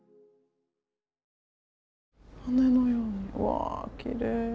羽のようにうわきれい。